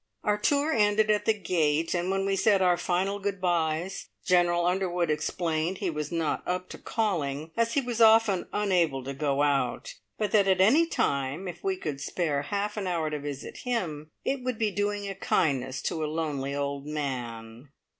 Our tour ended at the gate, and when we said our final good byes, General Underwood explained he was not up to calling, as he was often unable to go out, but that at any time, if we could spare half an hour to visit him, it would be doing a kindness to a lonely old man.